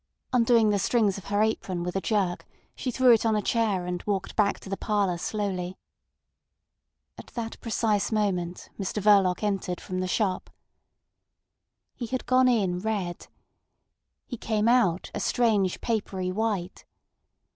Undoing the strings of her apron with a jerk, she threw it on a chair, and walked back to the parlour slowly. At that precise moment Mr Verloc entered from the shop. He had gone in red. He came out a strange papery white.